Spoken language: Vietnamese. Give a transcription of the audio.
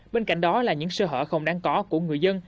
bên cạnh đó là những sơ hở không đáng có của người dân